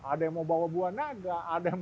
ada yang mau bawa buah naga ada yang